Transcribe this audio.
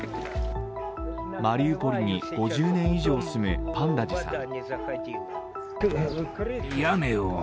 マリウポリに５０年以上住むパンダジさん。